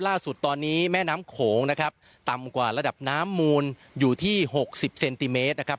ล่าสุดตอนนี้แม่น้ำโขงนะครับต่ำกว่าระดับน้ำมูลอยู่ที่๖๐เซนติเมตรนะครับ